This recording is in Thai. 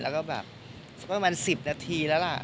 แล้วก็แบบสักประมาณ๑๐นาทีแล้วล่ะ